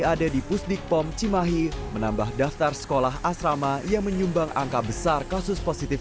ada di pusdik pom cimahi menambah daftar sekolah asrama yang menyumbang angka besar kasus positif